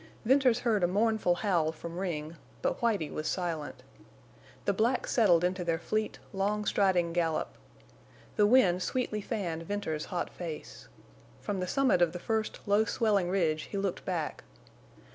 Venters heard a mournful howl from Ring, but Whitie was silent. The blacks settled into their fleet, long striding gallop. The wind sweetly fanned Venters's hot face. From the summit of the first low swelling ridge he looked back.